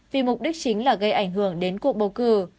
vì mục đích chính là gây ảnh hưởng đến cuộc bầu cử